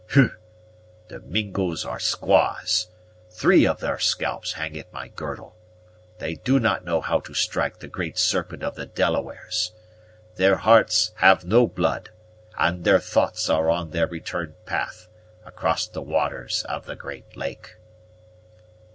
"Hugh! The Mingos are squaws! Three of their scalps hang at my girdle. They do not know how to strike the Great Serpent of the Delawares. Their hearts have no blood; and their thoughts are on their return path, across the waters of the Great Lake."